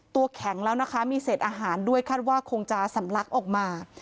ตัวแข็งแล้วนะคะมีเศษอาหารด้วยคาดว่าคงจะสำลักออกมา